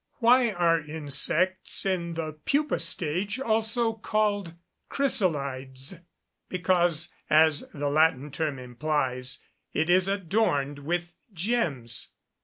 Why are insects in the "pupa" stage also called "chrysalides?" Because, as the Latin term implies, it is adorned with gems.